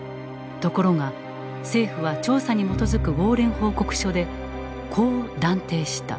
ところが政府は調査に基づく「ウォーレン報告書」でこう断定した。